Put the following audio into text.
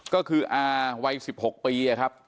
ก็คืออาวัย๑๖ปีครับ